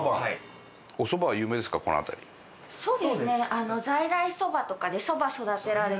そうですね。